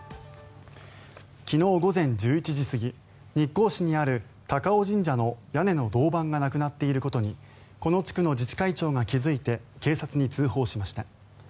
昨日午前１１時過ぎ日光市にある、たかお神社の屋根の銅板がなくなっていることにこの地区の自治会長が気付いて警察に通報しました。